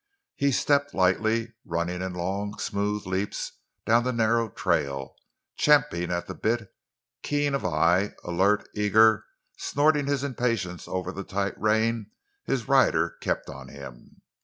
He stepped lightly, running in long, smooth leaps down the narrow trail, champing at the bit, keen of eye, alert, eager, snorting his impatience over the tight rein his rider kept on him.